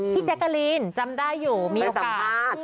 ที่แจ๊กรีนจำได้อยู่มีโอกาส